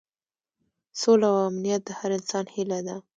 سوله او امنیت د هر انسان هیله ده.